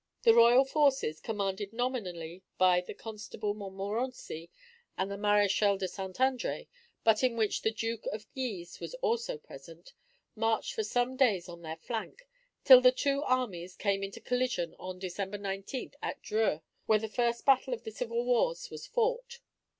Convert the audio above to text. The Royal forces, commanded nominally by the Constable Montmorenci and the Maréchal de St. André, but in which the Duke of Guise was also present, marched for some days on their flank, till the two armies came into collision on December 19th at Dreux, where the first battle of the civil wars was fought.